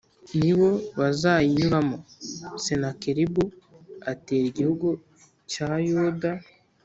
ni bo bazayinyuramo. Senakeribu atera igihugu cya Yuda